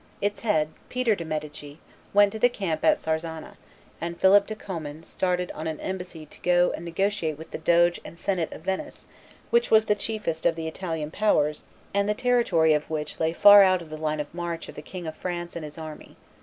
Its head, Peter de' Medici, went to the camp at Sarzana, and Philip de Commynes started on an embassy to go and negotiate with the doge and senate of Venice, which was the chiefest of the Italian powers and the territory of which lay far out of the line of march of the King of France and his army.